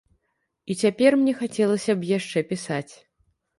І цяпер мне хацелася б яшчэ пісаць.